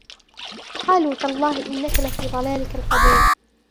قَالُوا تَاللَّهِ إِنَّكَ لَفِي ضَلَالِكَ الْقَدِيمِ